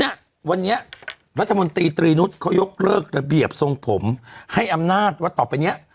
เนี้ยวันนี้รัฐมนตรีตรีนุษย์เขายกเลิกระเบียบทรงผมให้อำนาจว่าต่อไปเนี้ย